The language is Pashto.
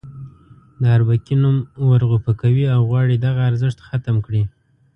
د اربکي نوم ورغوپه کوي او غواړي دغه ارزښت ختم کړي.